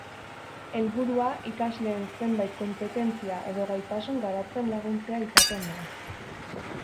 Helburua ikasleen zenbait konpetentzia edo gaitasun garatzen laguntzea izaten da.